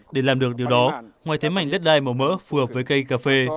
để làm được điều đó ngoài thế mảnh đất đai màu mỡ phù hợp với cây cà phê